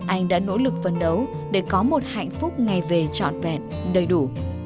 anh đã nỗ lực phấn đấu để có một hạnh phúc ngày về trọn vẹn đầy đủ